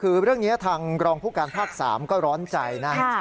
คือเรื่องนี้ทางรองผู้การภาค๓ก็ร้อนใจนะ